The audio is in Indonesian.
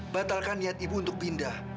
batalkan niat ibu untuk pindah